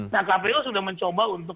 nah kpu sudah mencoba untuk